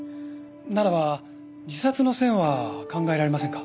ならば自殺の線は考えられませんか？